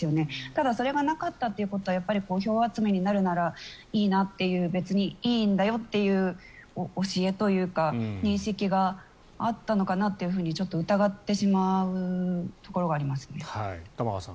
ただそれがなかったということは票集めになるならいいなという別にいいんだよという教えというか認識があったのかなってちょっと疑ってしまうところがありますね。